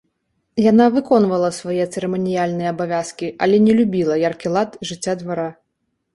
Яна выконвала свае цырыманіяльныя абавязкі, але не любіла яркі лад жыцця двара.